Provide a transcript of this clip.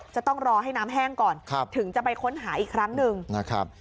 จะต้องรอให้น้ำแห้งก่อนถึงจะไปค้นหาอีกครั้งหนึ่งนะครับ